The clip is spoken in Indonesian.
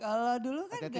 kalau dulu kan gak gitu